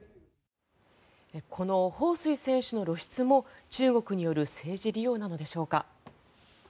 このホウ・スイ選手の露出も中国による政治利用なのでしょうか。